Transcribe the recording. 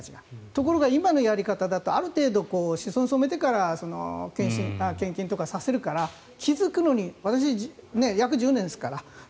ところが今のやり方はある程度、思想に染めてから献金とかさせるから気付くのに私、約１０年ですから。